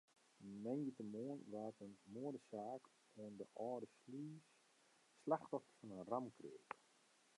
Moandeitemoarn waard in moadesaak oan de Alde Slûs slachtoffer fan in raamkreak.